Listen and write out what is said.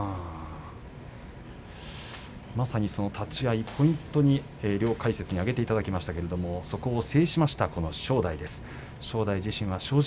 立ち合い、ポイントに両解説に挙げていただきましたがそこを制した正代です。